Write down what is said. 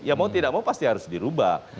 ya mau tidak mau pasti harus dirubah